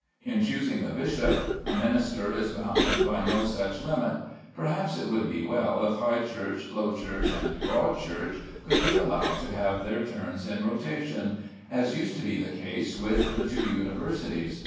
In choosing a bishop a Minister is bound by no such limit. Perhaps it would be well if High Church, Low Church, and Broad Church could be allowed to have their turns in rotation, as used to be the case with the two universities.